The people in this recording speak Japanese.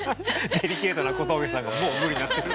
デリケートな小峠さんがもう無理になってる。